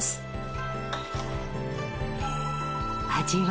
味は？